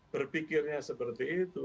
berpikirnya seperti itu